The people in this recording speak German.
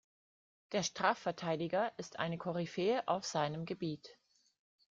Der Strafverteidiger ist eine Koryphäe auf seinem Gebiet.